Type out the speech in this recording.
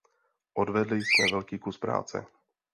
Odvedli jsme velký kus práce.